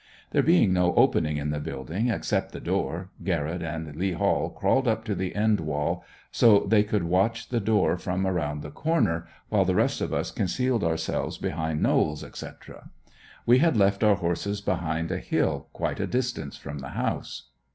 There being no opening in the building except the door, Garrett and Lee Hall crawled up to the end wall so they could watch the door from around the corner, while the rest of us concealed ourselves behind knolls, etc. We had left our horses behind a hill quite a distance from the house.